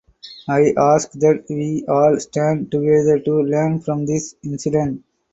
I ask that we all stand together to learn from this incident.